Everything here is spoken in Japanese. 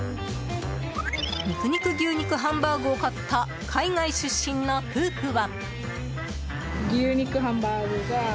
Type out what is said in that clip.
２９２９牛肉ハンバーグを買った海外出身の夫婦は。